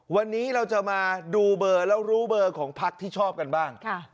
วันนี้เราจะมาดูเบอร์แล้วรู้เบอร์ของพักที่ชอบกันบ้าง